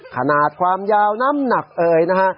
ขนาดความยาวน้ำหนักเอ่ยนะฮะ